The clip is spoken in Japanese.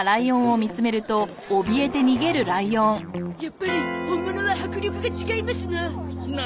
やっぱり本物は迫力が違いますな。